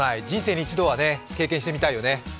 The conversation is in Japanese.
人生で一度は経験してみたいよね。